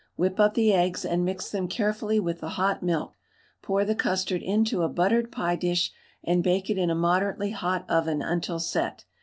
Whip up the eggs, and mix them carefully with the hot milk. Pour the custard into a buttered pie dish, and bake it in a moderately hot oven until set.